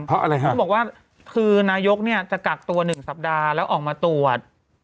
เพราะอะไรฮะเขาบอกว่าคือนายกเนี่ยจะกักตัว๑สัปดาห์แล้วออกมาตรวจ